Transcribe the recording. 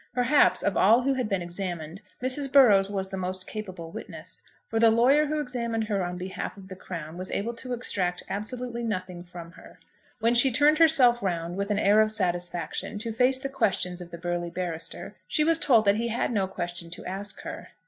Perhaps, of all who had been examined Mrs. Burrows was the most capable witness, for the lawyer who examined her on behalf of the Crown was able to extract absolutely nothing from her. When she turned herself round with an air of satisfaction, to face the questions of the burly barrister, she was told that he had no question to ask her.